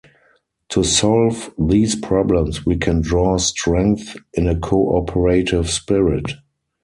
To solve these problems, we can draw strength in a cooperative spirit.